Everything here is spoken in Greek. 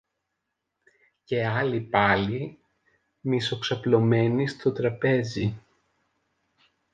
και άλλοι πάλι, μισοξαπλωμένοι στο τραπέζ